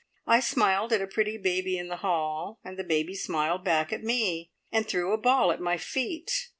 I smiled at a pretty baby in the hall, and the baby smiled back at me, and threw a ball at my feet.